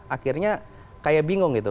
akhirnya kayak bingung gitu